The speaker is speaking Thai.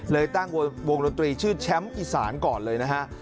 ตั้งวงดนตรีชื่อแชมป์อีสานก่อนเลยนะฮะ